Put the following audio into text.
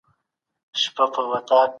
سیاسي ثبات د هر څه بنسټ دی.